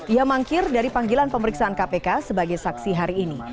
ia mangkir dari panggilan pemeriksaan kpk sebagai saksi hari ini